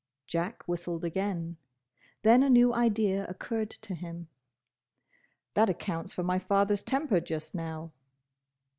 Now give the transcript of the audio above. Jack whistled again. Then a new idea occurred to him. "That accounts for my father's temper just now."